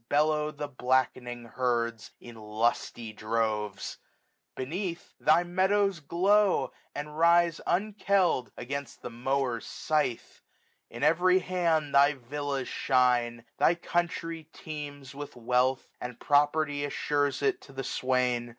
Bellow the blackening herds in lusty droves. 1450 Beneath, thy meadows glow, and rise unquell'd Against the mower's scythe. On every hand Thy villas shine. Thy country teems with wealth ; And property assures it to the swain.